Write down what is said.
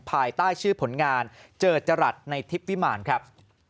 ภายใต้ชื่อผลงานเจอจรัสในทิพย์วิมารครับ